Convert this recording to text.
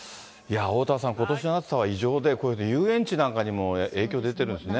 おおたわさん、ことしの暑さは異常で、こういう遊園地なんかにも影響出てるんですね。